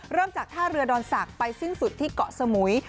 จากท่าเรือดอนศักดิ์ไปสิ้นสุดที่เกาะสมุย